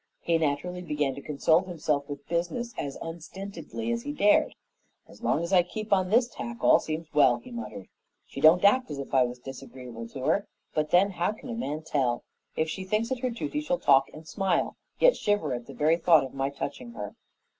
He naturally began to console himself with business as unstintedly as he dared. "As long as I keep on this tack all seems well," he muttered. "She don't act as if I was disagreeable to her, but then how can a man tell? If she thinks it her duty, she'll talk and smile, yet shiver at the very thought of my touching her.